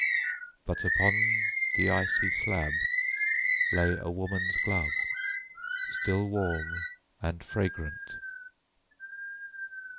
But upon the icy slab lay a woman's glove still warm and fragrant.